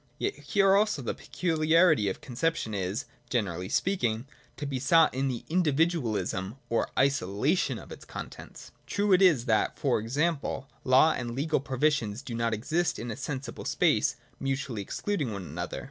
Yet here also the peculiarity of conception is, ( generally speaking, to be sought in the individualism or' isolation of its contents. True it is that, for example, law and legal provisions do not exist in a sensible space, mutually excluding one another.